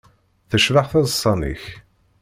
Tecbeḥ teḍsa-nnek.